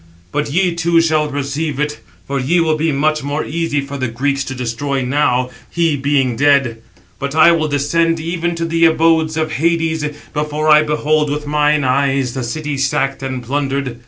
But ye too shall perceive it, for ye will be much more easy for the Greeks to destroy now, he being dead; but I will descend even to the abode of Hades, before I behold with mine eyes the city sacked and plundered."